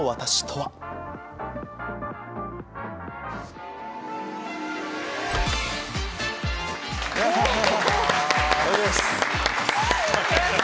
はい。